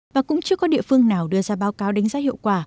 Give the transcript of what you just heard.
và cũng chưa có địa phương nào đưa ra báo cáo đánh giá hiệu quả